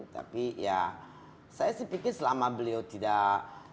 tapi ya saya sih pikir selama beliau tidak